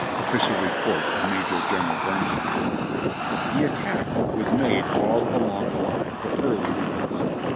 (OfTlicial Report of Major General Burn side.) The attack was made all along the line but early repulsed.